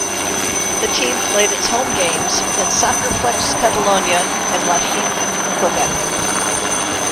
The team played its home games in Soccerplexe Catalogna in Lachine, Quebec.